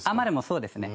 そうですね。